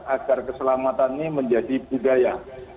agar keselamatan ini menjadi budaya